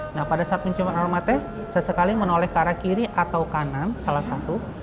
nah pada saat mencium aromanya saya sekali menoleh ke arah kiri atau kanan salah satu